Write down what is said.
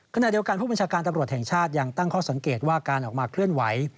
ขณะเดียวกันผู้บัญชาการตำรวจแห่งชาติยังตั้งข้อสังเกตว่าการออกมาเคลื่อนไหว